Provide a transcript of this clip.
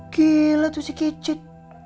gila tuh si kicit